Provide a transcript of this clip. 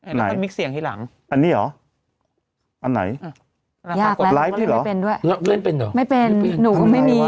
อันไหนมิกเสียงที่หลังอันนี้เหรออันไหนอ่ะยากแล้วไลฟ์นี่เหรอ